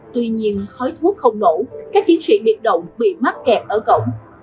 tuy nhiên khói thuốc không nổ các chiến sĩ biệt động bị mắc kẹt ở cổng